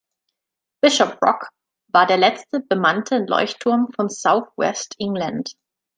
Bishop Rock war der letzte bemannte Leuchtturm von South West England.